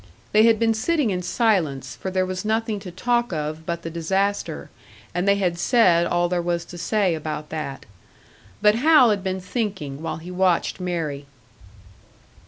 They had been sitting in silence, for there was nothing to talk of but the disaster and they had said all there was to say about that. But Hal had been thinking while he watched Mary.